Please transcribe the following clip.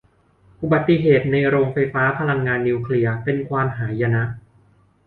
อุบัติเหตุในโรงไฟฟ้าพลังงานนิวเคลียร์เป็นความหายนะ